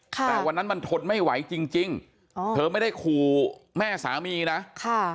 แต่วันนั้นมันทนไม่ไหวจริงจริงอ๋อเธอไม่ได้ขู่แม่สามีนะค่ะ